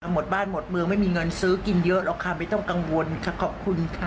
หมดบ้านหมดเมืองไม่มีเงินซื้อกินเยอะหรอกค่ะไม่ต้องกังวลค่ะขอบคุณค่ะ